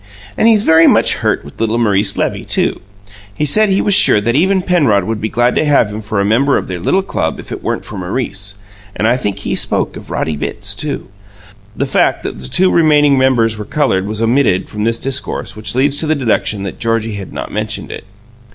And he's very much hurt with little Maurice Levy, too. He said that he was sure that even Penrod would be glad to have him for a member of their little club if it weren't for Maurice and I think he spoke of Roddy Bitts, too." The fact that the two remaining members were coloured was omitted from this discourse which leads to the deduction that Georgie had not mentioned it.